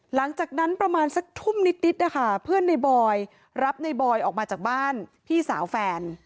หลังจากนั้นประมาณสักทุ่มนิดนะคะเพื่อนในบอยรับในบอยออกมาจากบ้านพี่สาวแฟน